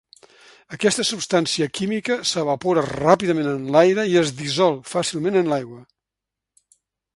Aquesta substància química s'evapora ràpidament en l'aire i es dissol fàcilment en l'aigua.